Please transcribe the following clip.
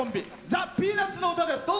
ザ・ピーナッツの歌です。